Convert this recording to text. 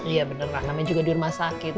iya benar rame juga di rumah sakit